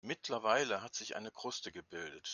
Mittlerweile hat sich eine Kruste gebildet.